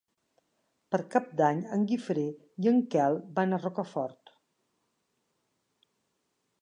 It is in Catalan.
Per Cap d'Any en Guifré i en Quel van a Rocafort.